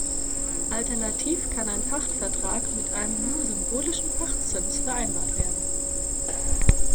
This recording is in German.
Alternativ kann ein Pachtvertrag mit einem nur symbolischen Pachtzins vereinbart werden.